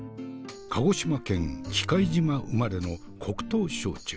鹿児島県喜界島生まれの黒糖焼酎。